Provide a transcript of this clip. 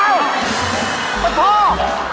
อ้าว